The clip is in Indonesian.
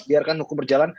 biarkan hukum berjalan